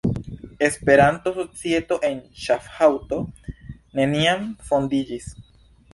Esperanto-Societo en Ŝafhaŭzo neniam fondiĝis.